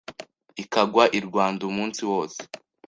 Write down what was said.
Ikagwa i Rwanda umunsi wose